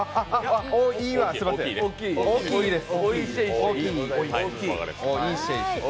大きい「い」です。